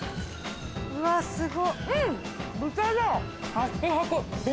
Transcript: うわすごっ。